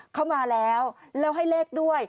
เข้ามาแล้วแล้วให้เลขด้วย